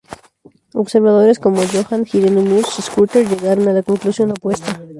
Observadores como Johann Hieronymus Schröter llegaron a la conclusión opuesta.